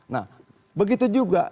nah begitu juga